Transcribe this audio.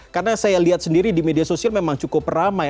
karena saya lihat sendiri di media sosial memang cukup ramai